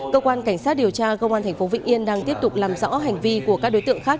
cơ quan cảnh sát điều tra công an tp vĩnh yên đang tiếp tục làm rõ hành vi của các đối tượng khác